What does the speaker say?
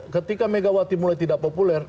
ketika megawati mulai tidak populer